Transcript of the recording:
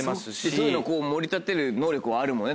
そういうの盛り立てる能力あるもんね